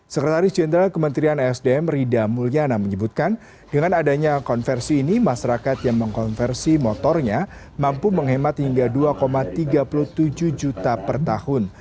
sekretaris jenderal kementerian esdm rida mulyana menyebutkan dengan adanya konversi ini masyarakat yang mengkonversi motornya mampu menghemat hingga dua tiga puluh tujuh juta per tahun